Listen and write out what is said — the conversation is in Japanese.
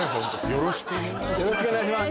よろしくお願いします